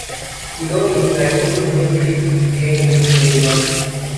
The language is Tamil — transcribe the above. இதோ என் கையில் உன்னைப் பிடித்து இருக்கிறேன் என்று கூறினான்.